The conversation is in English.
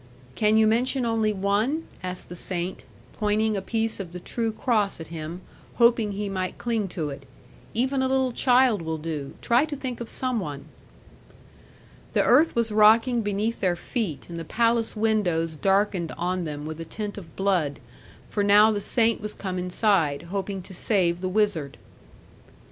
'Can you mention only one?' asked the saint, pointing a piece of the true cross at him, hoping he might cling to it; 'even a little child will do; try to think of some one.' The earth was rocking beneath their feet, and the palace windows darkened on them, with a tint of blood, for now the saint was come inside, hoping to save the wizard.